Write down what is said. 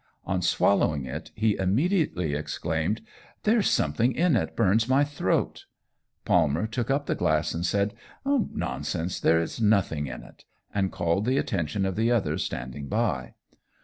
On swallowing it he immediately exclaimed, "There's something in it burns my throat." Palmer took up the glass and said, "Nonsense, there is nothing in it," and called the attention of the others standing by.